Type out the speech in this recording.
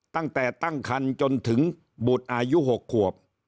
ตั้งแต่ตั้งคันจนถึงบุตรอายุ๖ขวบ